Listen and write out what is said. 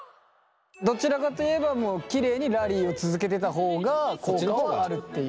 どちらかといえばもうきれいにラリーを続けてた方が効果はあるっていう。